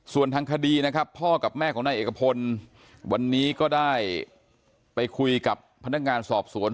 ส่วนทางคดีนะครับพ่อกับแม่ของนายเอกพลวันนี้ก็ได้ไปคุยกับพนักงานสอบสวน